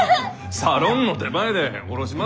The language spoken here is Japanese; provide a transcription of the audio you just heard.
サロンの手前で下ろします。